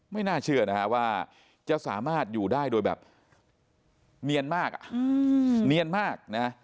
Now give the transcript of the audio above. ไม่น่าเชื่อว่าจะสามารถอยู่ได้โดยแบบเนียนมาก